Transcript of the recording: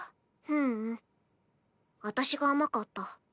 ううん私が甘かった。